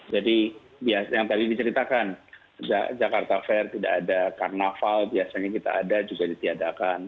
jadi yang tadi diceritakan jakarta fair tidak ada karnaval biasanya kita ada juga di tiada akar